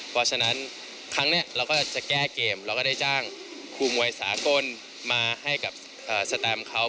เพราะฉะนั้นครั้งนี้เราก็จะแก้เกมแล้วก็ได้จ้างครูมวยสากลมาให้กับสแตมเขา